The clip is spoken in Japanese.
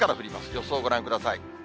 予想ご覧ください。